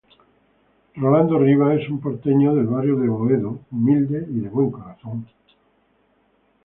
Rolando Rivas es un porteño del barrio de Boedo, humilde y de buen corazón.